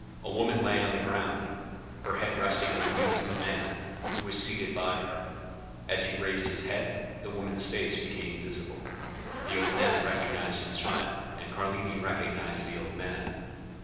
A woman lay on the ground, her head resting on the knees of a man, who was seated by her; as he raised his head, the woman's face became visible. The old man recognized his child, and Carlini recognized the old man.